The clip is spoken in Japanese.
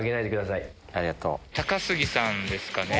高杉さんですかね。